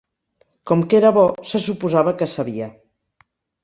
Com que era bo, se suposava que sabia.